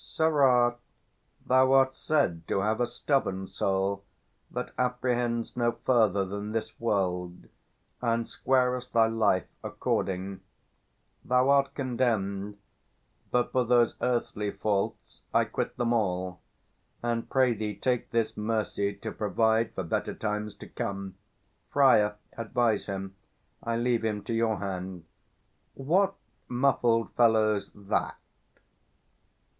Sirrah, thou art said to have a stubborn soul, That apprehends no further than this world, And squarest thy life according. Thou'rt condemn'd: 480 But, for those earthly faults, I quit them all; And pray thee take this mercy to provide For better times to come. Friar, advise him; I leave him to your hand. What muffled fellow's that?